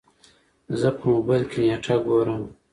زه په موبايل کې نېټه ګورم.